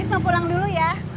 mau pulang dulu ya